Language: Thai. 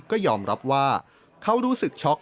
ก็ยอมรับว่าเขารู้สึกช็อก